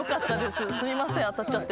すみません当たっちゃって。